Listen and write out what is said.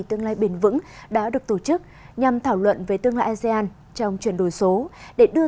tương lai bền vững đã được tổ chức nhằm thảo luận về tương lai asean trong chuyển đổi số để đưa